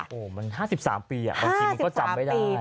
๕๓ปีอะเอาจริงมึงก็จำไม่ได้